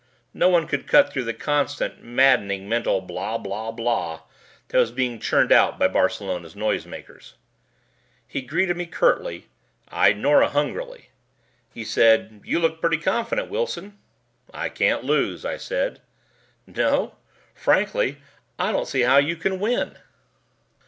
No one could cut through the constant, maddening mental blah blah blah that was being churned out by Barcelona's noisemakers. He greeted me curtly, eyed Nora hungrily. He said: "You look pretty confident, Wilson." "I can't lose," I said. "No? Frankly I don't see how you can win."